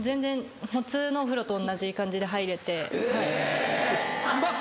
普通のお風呂とおんなじ感じで入れて。